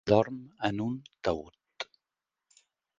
Dorm en un taüt.